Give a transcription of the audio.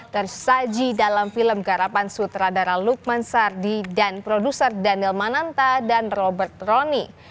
tersaji dalam film garapan sutradara lukman sardi dan produser daniel mananta dan robert roni